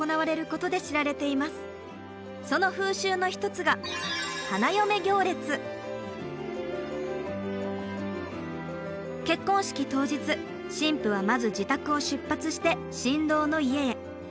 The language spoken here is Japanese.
その風習の一つが結婚式当日新婦はまず自宅を出発して新郎の家へ。